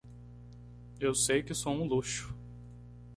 Eu sei que sou um luxo.